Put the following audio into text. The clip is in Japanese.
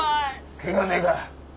ケガねえか？